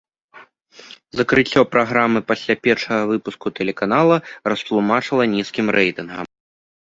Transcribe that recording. Закрыццё праграмы пасля першага выпуску тэлеканала растлумачыла нізкім рэйтынгам.